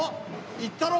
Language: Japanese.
いったろ！